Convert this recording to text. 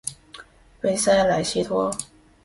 贝塞莱西托。